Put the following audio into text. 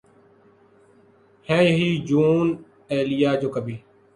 ہیں یہی جونؔ ایلیا جو کبھی